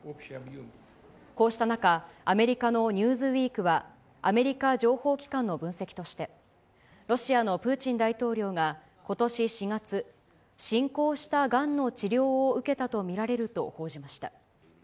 こうした中、アメリカのニューズウィークはアメリカ情報機関の分析として、ロシアのプーチン大統領がことし４月、進行したがんの治療を受けたと見られると報じました。